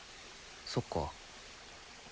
そっか。